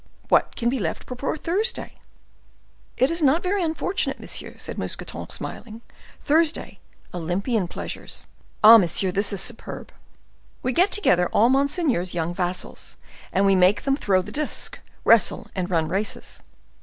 —what can be left for poor Thursday?" "It is not very unfortunate, monsieur," said Mousqueton, smiling. "Thursday, Olympian pleasures. Ah, monsieur, that is superb! We get together all monseigneur's young vassals, and we make them throw the disc, wrestle, and run races.